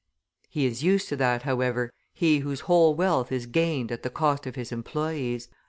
He is used to that, however, he whose whole wealth is gained at the cost of his employees.